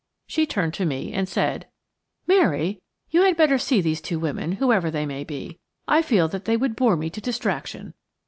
She turned to me and said: "Mary, you had better see these two women, whoever they may be; I feel that they would bore me to distraction.